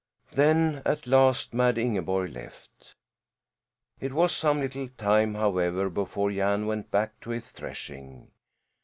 Then at last Mad Ingeborg left. It was some little time, however, before Jan went back to his threshing.